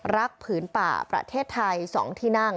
ผืนป่าประเทศไทย๒ที่นั่ง